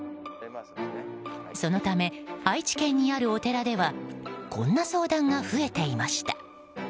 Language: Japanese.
そのため愛知県にあるお寺ではこんな相談が増えていました。